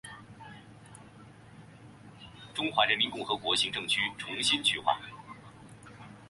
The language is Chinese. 中华人民共和国行政区重新区划。